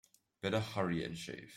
Better hurry and shave.